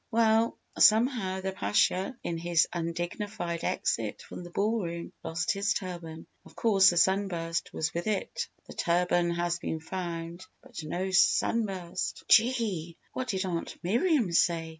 "Well, somehow, the Pasha in his undignified exit from the ball room lost his turban. Of course the sunburst was with it. The turban has been found but no sunburst!" "Gee! What did Aunt Miriam say?"